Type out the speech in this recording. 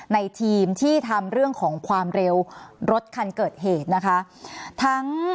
ในทีมที่ทำเรื่องของความเร็วรถคันเกิดเหตุนะคะ